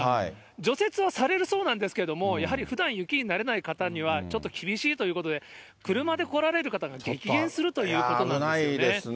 除雪はされるそうなんですけれども、やはりふだん雪に慣れない方にはちょっと厳しいということで、車で来られる方が激減するということなんですよね。